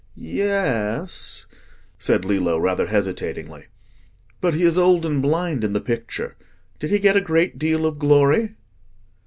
"Yes," said Lillo, rather hesitatingly. "But he is old and blind in the picture. Did he get a great deal of glory?"